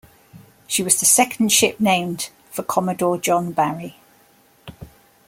She was the second ship named for Commodore John Barry.